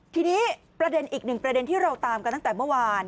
ทีนี้ประเด็นอีกหนึ่งประเด็นที่เราตามกันตั้งแต่เมื่อวาน